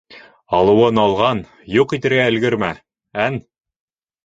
Алыуын алған, юҡ итергә өлгөрмә! ән...